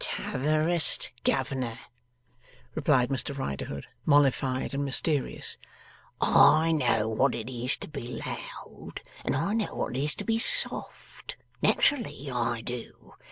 ''Totherest Governor,' replied Mr Riderhood, mollified and mysterious, 'I know wot it is to be loud, and I know wot it is to be soft. Nat'rally I do.